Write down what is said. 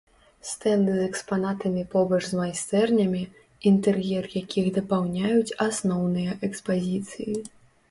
Стэнды з экспанатамі побач з майстэрнямі, інтэр'ер якіх дапаўняюць асноўныя экспазіцыі.